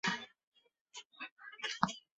李芳辞官离去。